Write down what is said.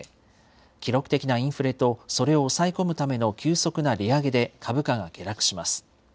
記録的なインフレと、それを抑え込むための急速な利上げで株価が下落します。